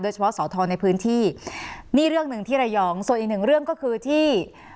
เฉพาะสอทรในพื้นที่นี่เรื่องหนึ่งที่ระยองส่วนอีกหนึ่งเรื่องก็คือที่